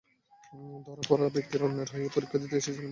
ধরা পড়া ব্যক্তিরা অন্যের হয়ে পরীক্ষা দিতে এসেছিলেন বলে জানা গেছে।